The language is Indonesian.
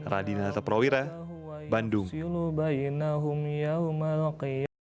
radinata prawira bandung